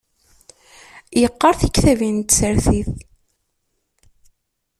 Yeqqaṛ tiktabin n tsertit